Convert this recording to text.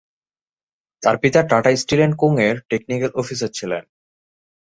তার পিতা Tata steel and co এর টেকনিক্যাল অফিসার ছিলেন।